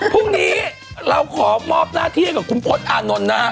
พรุ่งนี้เราขอมอบหน้าที่ให้กับคุณพศอานนท์นะฮะ